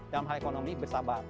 dalam hal ekonomi bersabar